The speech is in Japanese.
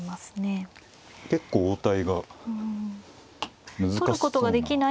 結構応対が難しそうな。